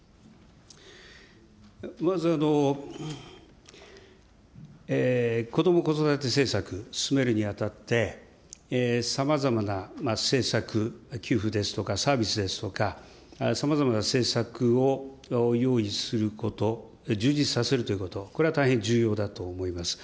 まず、子ども・子育て政策、進めるにあたって、さまざまな政策、給付ですとか、サービスですとか、さまざまな政策を用意すること、充実させるということ、これは大変重要だと思います。